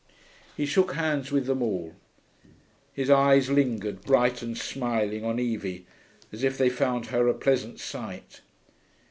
He shook hands with them all; his eyes lingered, bright and smiling, on Evie, as if they found her a pleasant sight.